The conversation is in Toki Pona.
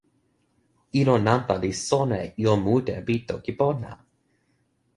ilo nanpa li sona e ijo mute pi toki pona!